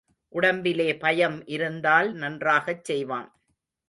உடம்பிலே பயம் இருந்தால் நன்றாகச் செய்வான்.